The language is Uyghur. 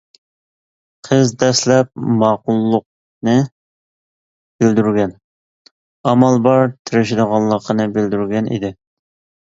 قىز دەسلەپ ماقۇللۇقىنى بىلدۈرگەن، ئامال بار تىرىشىدىغانلىقىنى بىلدۈرگەن ئىدى.